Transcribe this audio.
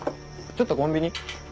ちょっとコンビニ。